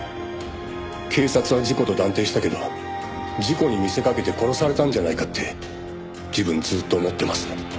「警察は事故と断定したけど事故に見せかけて殺されたんじゃないかって自分ずっと思ってます」